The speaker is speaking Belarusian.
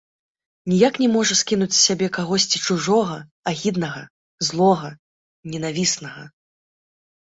Ніяк не можа скінуць з сябе кагосьці чужога, агіднага, злога, ненавіснага.